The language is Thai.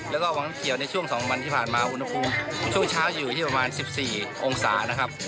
แล้วก็วังน้ำเขียวในช่วง๒วันที่ผ่านมาอุณหภูมิช่วงเช้าอยู่ที่ประมาณ๑๔องศานะครับ